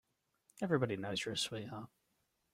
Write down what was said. Everybody knows you're a sweetheart.